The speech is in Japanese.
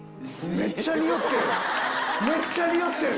めっちゃ匂ってる！